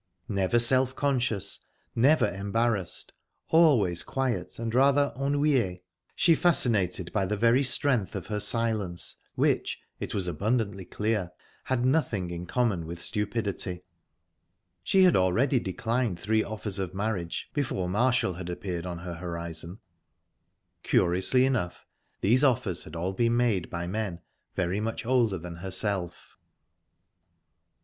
Never self conscious, never embarrassed, always quiet and rather ennuye, she fascinated by the very strength of her silence, which, it was abundantly clear, had nothing in common with stupidity. She had already declined three offers of marriage, before Marshall had appeared on her horizon. Curiously enough, these offers had all been made by men very much older than herself.